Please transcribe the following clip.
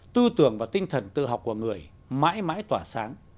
tư tưởng và tinh thần tự học của người mãi mãi tỏa sáng